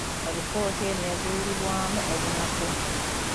Alipoota eno yazuulibwamu obunafu.